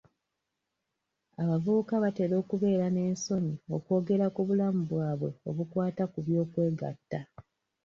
Abavubuka batera okubeera n'ensonyi okwogera ku bulamu bwabwe obukwata ku by'okwegatta.